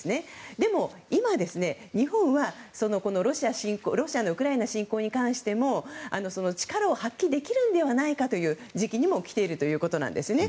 でも今、日本はロシアのウクライナ侵攻に関しても力を発揮できるのではないかという時期にも来ているのではないかということです。